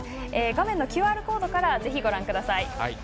画面のＱＲコードからぜひ、ご覧ください。